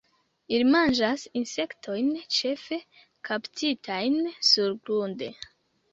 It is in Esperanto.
Ili manĝas insektojn, ĉefe kaptitajn surgrunde.